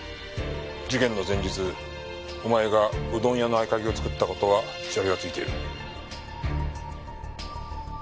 事件の前日お前がうどん屋の合鍵を作った事は調べがついている。